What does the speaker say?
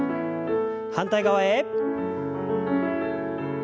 反対側へ。